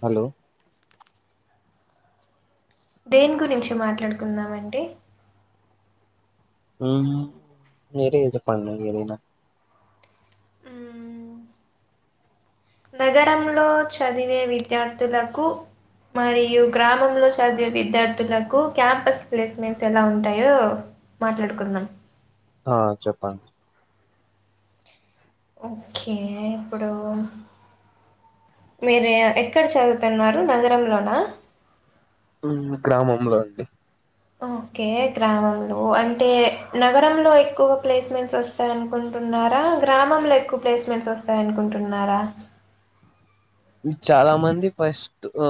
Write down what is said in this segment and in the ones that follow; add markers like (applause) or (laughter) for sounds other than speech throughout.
Hello దేని గురించి మాట్లాడుకుందామండి మ్ మీరే చెప్పండి ఏదైన హ్మ్, నగరంలో చదివే విద్యార్థులకు మరియు గ్రామంలో చదివే విద్యార్థులకు క్యాంపస్ ప్లేస్మెంట్స్ ఎలా ఉంటాయో మాట్లాడుకుందాం ఆ చెప్పండి ఓకే ఇప్పుడు మీరు ఎక్కడ చదువుతున్నారు నగరంలోనా మ్ గ్రామంలో అండి ఓకే గ్రామంలో అంటే నగరంలో ఎక్కువ ప్లేస్మెంట్స్ వస్తాయి అనుకుం టున్నారా గ్రామంలో ఎక్కువ ప్లేస్మెంట్స్ వస్తాయ్ అనుకుంటున్నారా అ చాలా మంది ఫస్ట్ ఆ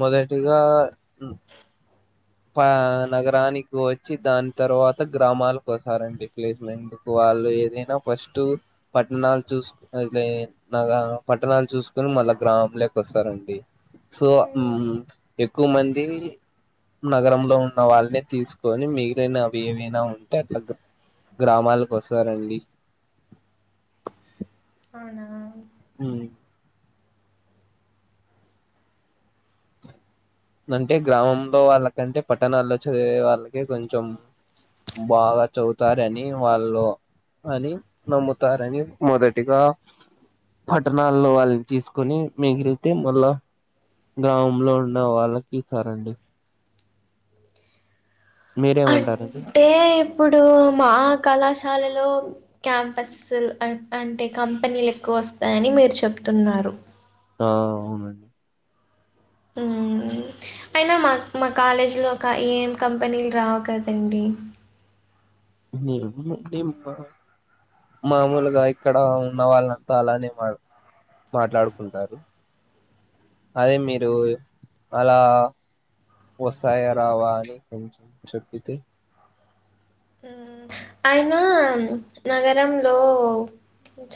మొదటిగా పా-నగరానికి వచ్చి దాని తర్వాత గ్రామాలకు వస్తారండి ప్లేస్మెంట్ కు వాళ్ళు ఏదైనా ఫస్ట్ పట్టణాలు చూస్ పట్టణాలు చూసుకొని మళ్ళ మల్ల గ్రామం లేకి వస్తారండి సో హ్మ్. మ్ ఎక్కువ మంది నగరంలో ఉన్న వాళ్ళనే తీసుకొని మిగిలినవి ఏవైనా ఉంటే అట్లా గ్రామాలకు వస్తారండి అవునా! మ్ అంటే గ్రామంలో వాళ్ళకంటే పట్టణాల్లో చదివే వాళ్ళకి కొంచెం బాగా చదుతారని వాళ్ళు అని నమ్ముతారని మొదటిగా పట్టణాల్లో వాళ్ళని తీసుకొని మిగిలితే మళ్ళా గ్రామంలో ఉన్న వాళ్ళకి సారండి మీరేమంటారండి అంటే ఇప్పుడు మా కళా శాలలో క్యాంపస్లు అన్ అంటే కంపెనీలు ఎక్కువ వస్తాయని మీరు చెప్తున్నారు ఆ అవునండి మ్ అయినా మా మా కాలేజీలో ఒక ఏం కంపెనీలు రావు కదండి మీర్ మీ మా మామూలుగా ఇక్కడ ఉన్న వాళ్ళంతా అలానే మా మాట్లాడుకుంటారు అదే మీరు అలా వస్తాయా రావా అని కంచం చెప్పితే మ్ అయినా నగరంలో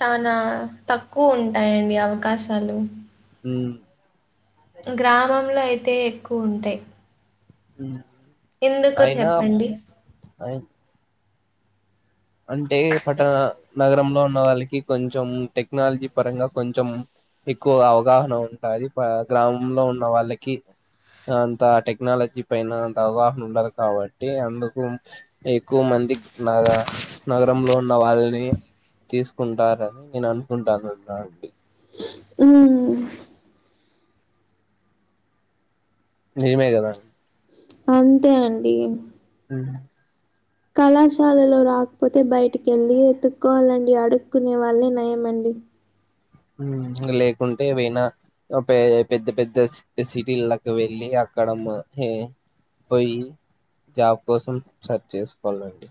చానా తక్కువ ఉంటాయండి అవకాశాలు మ్ గ్రామంలో అయితే ఎక్కువ ఉంటాయి మ్ ఎందుకు చెప్పండి అయ్ అంటే పట్టణ నగరంలో ఉన్న వాళ్ళకి కొంచెం టెక్నాలజీ పరంగా కొంచెం ఎక్కువ అవగాహన ఉంటాది ప గ్రామంలో ఉన్న వాళ్ళకి అంత టెక్నాలజీ పైన అంత అవగాహన ఉండదు కాబట్టి అందుకు ఎక్కువ మందికి నాగా నగరంలో ఉన్న వాళ్ళని తీసుకుంటారని నేను అనుకుంటాను అన్నానండి ఊ నిజమే కదా అంతే అండి ఉ కళాశాలలో రాకపోతే బయటికి వెళ్ళి ఎతుక్కోవాలండి అడుక్కునే వాళ్ళే నయంమండి ఇం లేకుంటే పోయినా పె పెద్ద పెద్ద సిటీలకి వెళ్ళి కడమ్మ హే పోయి జాబ్ కోసం సర్చ్ చేసుకోవాలండి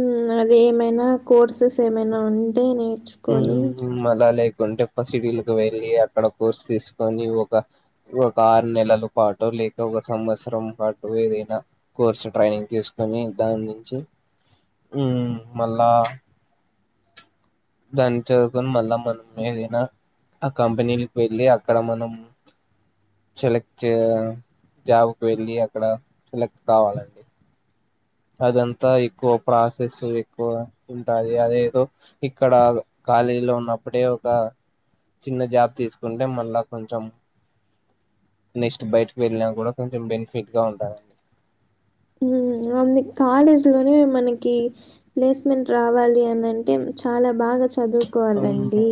ఉ అది ఏమైనా కోర్సెస్ ఏమైనా ఉంటే నే ఊ మళ్ళా లేకు కొంటె సిటీకి వెళ్ళి అక్కడ కోర్స్ తీసుకొని ఒక ఒక ఆరు నెలల పాటు లేక ఒక సంవత్సరం పాటు ఏదైనా కోర్సు ట్రైనింగ్ తీసుకొని దాని నుంచి ఉ మళ్ళా దాన్ని చదువుకొని మళ్ళా మనం ఏదైనా ఆ కంపెనీలకి వెళ్ళి అక్కడ మనం సెలెక్ట్ జాబ్కి వెళ్ళి అక్కడ సెలెక్ట్ కావాలండి అదంతా ఎక్కువ ప్రాసెస్ ఎక్కువ ఉంటాది అదేదో ఇక్కడ కాలేజీ లో ఉన్నప్పుడే ఒక చిన్న జాబ్ తీసుకుంటే మళ్ళా కొంచెం నెక్స్ట్ బయటకు వెళ్ళినా కూడా కొంచెం బెనిఫిట్ గా ఉంటాదండి ఊ అంది కాలేజ్ లోనే మనకి ప్లేస్ మెంట్ రావాలి అని అంటే చాలా బాగా చదువుకోవాలండి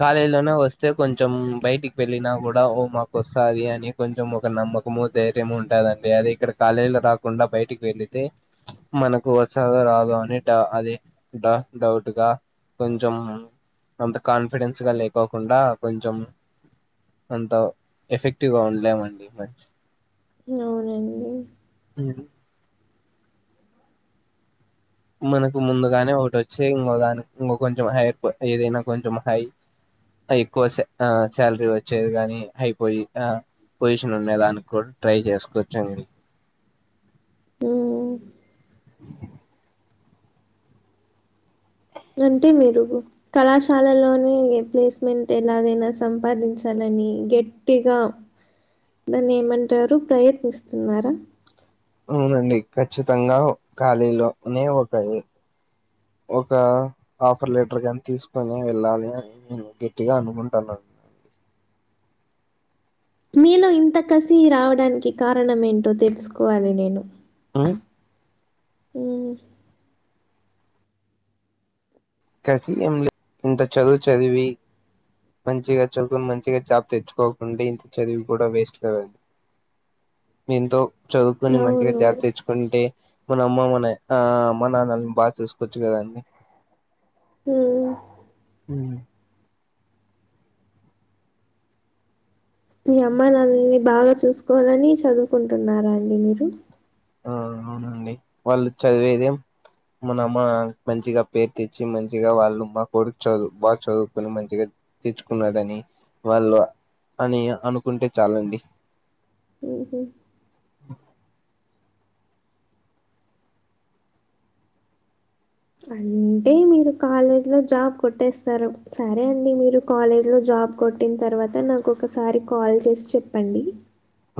కాలేజ్ లోనే వస్తే కొంచెం బయటికి వెళ్ళిన కూడా ఓ మాకు వస్తది అని కొంచెం ఒక నమ్మకం ఓ ధైర్యం ఉంటదండి అది ఇక్కడ కాలేజీ లో రాకుండా బయటికి వెళితే మనకు వచ్చదో రా రాదో అని అది డౌ డౌట్గా కొంచెం అంత కాన్ఫిడెన్స్ గా లేకోకుండా కొంచెం అంత ఎఫెక్టివ్గా ఉండలేమండి మనీ అవునండి ఉహు మనకు ముందుగానే ఒకటి వచ్చే ఇంకో దానికి ఇంకో కొంచెం హైప్ ఏదైనా కొంచెం హైప్ ఎక్కువ ఆ శాలరీ వచ్చేది కాగాని అయిపోయి ఆ పొజిషన్ ఉండదానికి కూడా ట్రై చేసుకోవచ్చు హ్మ్. అంటే మీరు కళాశాలలోనే ప్లేస్మెంట్ ఎలాగైనా సంపాదించాలనీ నీ గట్టిగా దాన్ని ఏమంటారు ప్రయత్నిస్తున్నారా అవునండి ఖచ్చితంగా కాలేజ్ లోనే ఒక ఎ ఒక అఫర్ లెటర్ కాని తీసుకొని వెళ్ళాలి అని నేను గట్టిగా అనుకుంటాన్నను (inaudible) మీలో ఇంత కసి రావడానికి కారణం ఏంటో తెలుసుకోవాలి నేను ఉ ఉ కసి ఎం లే ఇంత చదువు చదివి మంచిగా చదివినాం మంచిగా జాబ్ తెచ్చుకోకుండా ఇంత చదివి కూడా వేస్ట్ కదండి ఎంతో చదువుకుని మంచిగా అవును జాబ్ తెచ్చుకుంటే మన అమ్మమ్మనే ఆ అమ్మ నాన్నని బాగా చూసుకోవచ్చు కదండి ఊ ఊ మీ అమ్మా నాన్నల్ని బాగా చూసుకోవాలని చదువుకుంటున్నారా అండి మీరు ఆ అవునండి వాళ్ళు చదివేదే మనమ్మ మంచిగా పేరు తెచ్చి మంచిగా వాళ్ళు మా కొడుకు చదువు బాగా చదువు పని మంచిగా, తెచ్చుకున్నాడని వాళ్ళు అని అనుకుంటే చాలండి. ఓహో అంటే మీరు కాలేజ్ లో జాబ్ కొట్టేస్తారు సరే అండి మీరు కాలేజ్ లో జాబ్ బ్ కొట్టిన తర్వాత నాకు ఒకసారి కాల్ చేసి చెప్పండి.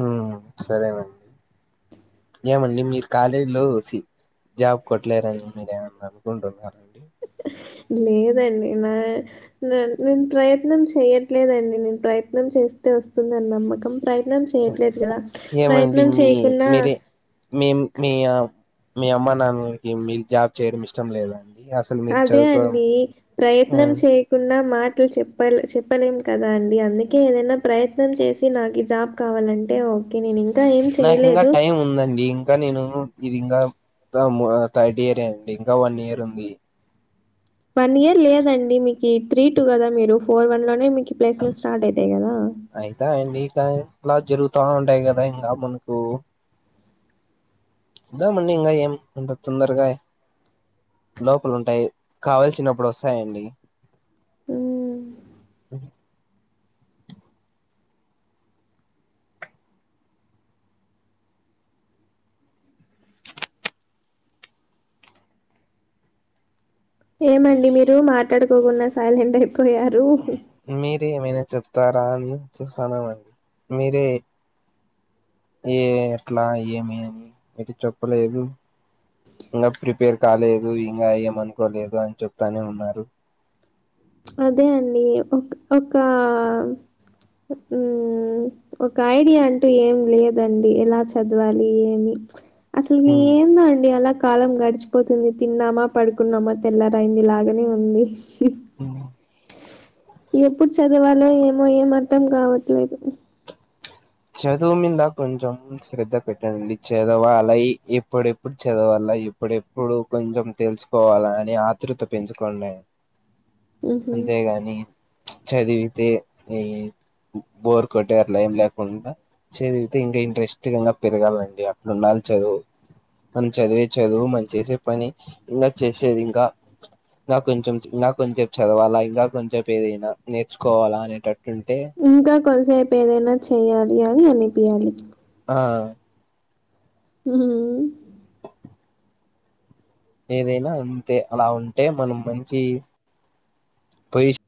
ఉమ్ సరేనండి ఏమండి మీరు కాలేజీలో జాబ్ కొట్టలేరు అనీ మీరేమన్నా అనుకుంటున్నారండి లేదండి నా నేను ప్రయత్నం చేయట్లేదండి నేను ప్రయత్నం చే స్తే వస్తుంది అనీ నమ్మకం ప్రయత్నం చేయట్లేదు కదా ఏమండి ప్రయత్నం మీ చేయకున్నా మీరే మేం మీ మీ అమ్మ నాన్నకి మీ జాబ్ చేయడం ఇష్టం లేదాండి. అదే అండి ప్రయత్నం చేయకుండా మాట చెప్ప చెప్పలేం కదా అండి అందుకే ఏదైనా ప్రయత్నం చేసి నాకు జాబ్ కావాలంటే ఓకే నేను నాకు ఇంకా టైం ఉందండి ఇంకా నేను ఇది ఇంకా థర్డ్ ఇయర్ ఏ అండి ఇంకా వన్ ఇయర్ ఉంది. వన్ ఇయర్ లేదండి మీకు త్రీ టు కదా మీరు ఫోర్ వన్ లోనే మీ ప్లేస్మెంట్ స్టార్ట్ అయితాయి కదా అయితా అండి ఇంకా ఇలా జరుగుతూ ఉంటాయి కదా ఇంకా మనకు తా మన్నీంగా ఏం అంత తొందరగా లోపలు ఉంటాయి కావల్సినప్పుడు వస్తాయండి హ్మ్. అ ఏమండి మీరు మాట్లాడుకోకుండా సైలెంట్ అయిపో మీరే ఏమైనా చెప్తారా అని చూసాన్నామండి మీరే ఏ ఎట్లా ఏమి అని ఏది చెప్పలేదు ఇంకా ప్రిపేర్ కాలేదు ఇంకా అయ్యమనుకోలేదు అని చెప్తానే ఉన్నారు అదే అండి ఒక ఒక ఉ ఒక ఐడియా అంటూ ఏం లేదండి ఎలా చదవాలి ఏమి అసలుకి ఏంద అండి అలా కాలం గడిచిపోతుంది తిన్నామా, పడుకున్నామా, తెల్లరైంది, లాగనే ఉంది. ఉ ఎప్పుడు చదవాలో ఏమో అర్ధం కావట్లేదు చదువు మీద కొంచెం శ్రద్ధ పెట్టనండి చదవాలలాగ ఎప్పుడెప్పుడు చదవాల అలా ఇప్పుడెప్పుడు కొంచెం తెలుసుకోవాలా అని ఆతృత పెంచుకోండి హుహు. అంతేగాని చదివితే ఈ బోర్ కోట్టట్లే కుండా చదివితే ఇంకా ఇంట్రెస్టింగా పెరగాలండి అట్డు ఉండాలి చదువు మన చదివే చదువు మనం చేసే పని ఇంకా చేసేది ఇంకా ఇంక కొంచెం ఇంక కొంచెపు చదవాలా ఇంకా కొంచెం ప ఏదైనా నేర్చుకోవాలా అనేటట్టు ఇంకా కొంతసేపు ఏదైనా చెయాలి అని అనిపియాలి ఆ హు ఏదైనా అంతే అలా ఉంటే మనం మంచి పొజిష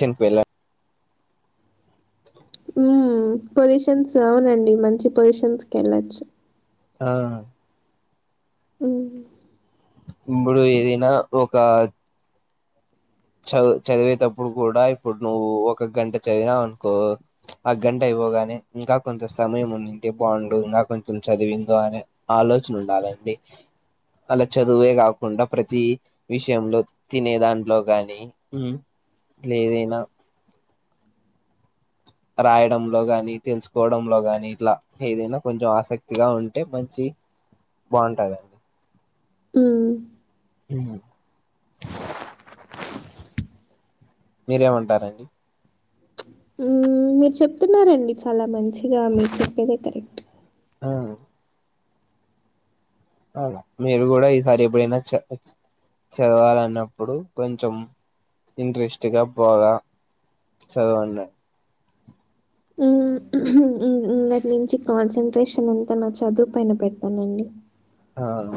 చిన్కు వెళ్ళ (inaudible) పొజిషన్స్ అవునండి మంచి పొజిషన్స్ కి వెళ్ళచ్చు ఆ ఉ ఇప్పుడు ఏదైనా ఒక చదు చదివేటప్పుడు కూడా ఇప్పుడు నువ్వు ఒక గంట చదివినవు అనుకో ఆ గంట అయి చదవగానే ఇంకా కొంచం సమయం ఉండుంటే బావుండు. ఇంకా కొంచెం చదివిందో అనే ఆలోచన ఉండాలె అలా చదువే కాకుండా, ప్రతి విషయంలో తినే దాంట్లో గాన్ నీ ఎట్లేదైనా రాయడంలో గాని, తెలుసుకోవడంలో గాని ఇట్లా ఏదైనా కొంచెం. ఆసక్తిగా ఉంటే మంచి బావుంటదా ఉమ్ ఉహ్ హు మీరేమంటరండి. ఉమ్ మీరు చెప్తున్నారండి. చాలా మంచిగా మీరు చెప్పేదే కరక్ట్. ఆ అవును మీరు గూడా ఈసారి ఎప్పుడైనా చ ఆ చ చదవాలన్నప్పుడు. కొంచెం ఇంట్రెస్ట్గా బోగా చదవాన్డ ఉమ్ మ్ మ్మ్గాట్ నుంచి కాన్సన్ట్రేషన్ అంతా. నా చదువు పైన పెడతానండి. ఆవ్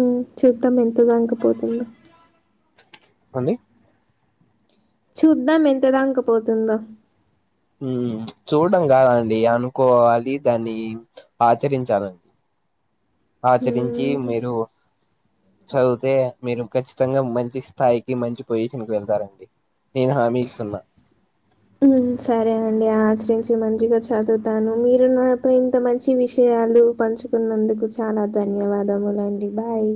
ఉమ్ చూద్దాం ఎంత దాంకపోతుందో. అండి చూద్దాం ఎంత దాన్కపోతుందో ఉమ్ చూడం కాదండి. అనుకోవాలి దాని ఆచరించాలండ్ ఆచరించి. హ్మ్. మీరు చదివితే మీరు ఖచ్చితంగా మంచి స్థాయికి, మంచి పొజిషన్ కి వెళ్తారండి. నేను హామి ఇస్తున్నా. ఉమ్ సరేనండి ఆచరించి మంచిగా చదువ్తాను. మీరు నాతో ఇంత మంచి విషయ లు పంచుకున్నందుకు చాలా ధన్యవాదములండి. బాయ్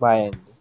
బాయండి.